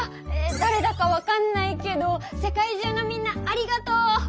だれだか分かんないけど世界中のみんなありがとう！